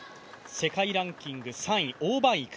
世界ランキング３位、王曼イク。